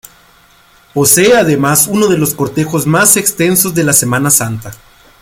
Posee además uno de los cortejos más extensos de la Semana Santa.